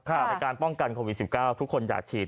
ในการป้องกันโควิด๑๙ทุกคนอยากฉีด